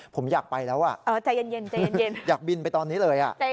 ผมอยากไปแล้วอ่ะอยากบินไปตอนนี้เลยอ่ะใจเย็น